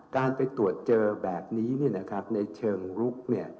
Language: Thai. การไปตรวจเจอแบบนี้ในเชิงลุก